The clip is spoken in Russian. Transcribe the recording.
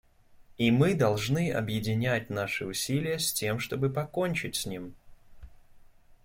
И мы должны объединять наши усилия, с тем чтобы покончить с ним.